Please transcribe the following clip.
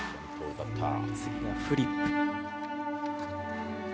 次がフリップ。